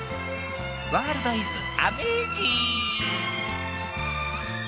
ワールドイズアメージング！